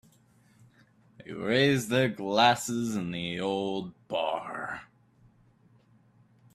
They raised their glasses in the old bar.